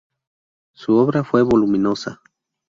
Su obra fue voluminosa.